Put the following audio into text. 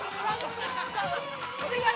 お願い。